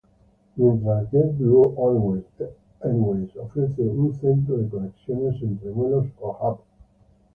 Mientras JetBlue Airways ofrece un centro de conexiones entre vuelos o "hub.